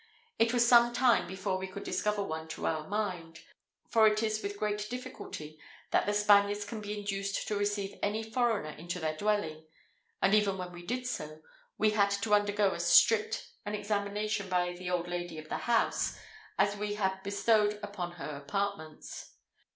It was some time before we could discover one to our mind, for it is with great difficulty that the Spaniards can be induced to receive any foreigner into their dwelling; and even when we did so, we had to undergo as strict an examination by the old lady of the house, as we had bestowed upon her apartments.